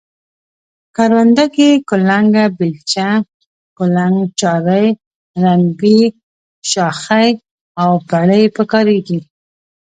کرونده کې کلنگه، بیلچه، کولنگ، چارۍ، رنبی، شاخۍ او پړی په کاریږي.